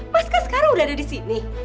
mas genauso sekarang udah ada di sini